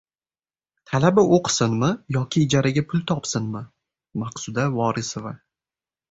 Talaba o‘qisinmi yoki ijaraga pul topsinmi?! — Maqsuda Vorisova